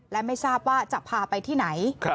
และไม่ทราบว่าจะพาไปที่ไหน